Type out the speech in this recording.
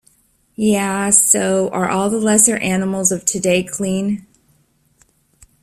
Yea, so are all the lesser animals of today clean.